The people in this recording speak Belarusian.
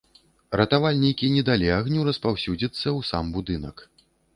Ратавальнікі не далі агню распаўсюдзіцца ў сам будынак.